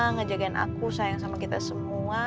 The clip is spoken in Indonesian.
ngejagain aku sayang sama kita semua